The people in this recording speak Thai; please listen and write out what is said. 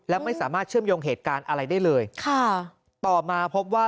และไม่สามารถเชื่อมโยงเหตุการณ์อะไรได้เลยค่ะต่อมาพบว่า